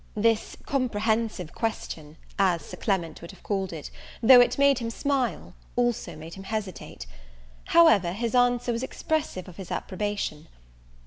This comprehensive question, as Sir Clement would have called it, though it made him smile, also made him hesitate; however, his answer was expressive of his approbation.